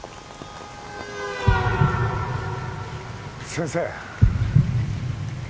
先生。